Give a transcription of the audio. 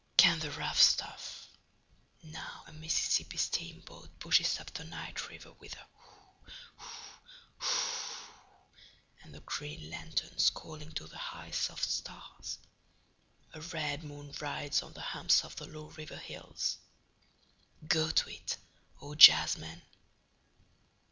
Can the rough stuff … now a Mississippi steamboat pushes up the night river with a hoo hoo hoo oo … and the green lanterns calling to the high soft stars … a red moon rides on the humps of the low river hills … go to it, O jazzmen.